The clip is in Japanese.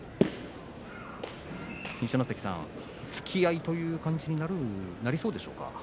二所ノ関さん、突き合いという感じになるんでしょうか。